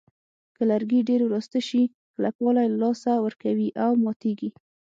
که لرګي ډېر وراسته شي کلکوالی له لاسه ورکوي او ماتېږي.